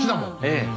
ええ。